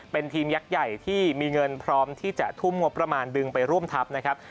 เป็นทีมยักษ์ใหญ่ที่มีเงินพร้อมที่จะทุ่มงบประมาณดึงไปร่วมทัพนะครับ